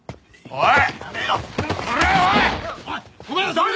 おい！